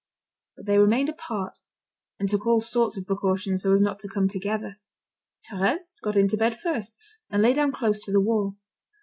But they remained apart, and took all sorts of precautions so as not to come together. Thérèse got into bed first, and lay down close to the wall.